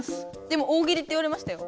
でも大喜利って言われましたよ。